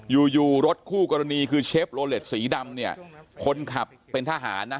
อยู่อยู่รถคู่กรณีคือเชฟโลเลสสีดำเนี่ยคนขับเป็นทหารนะ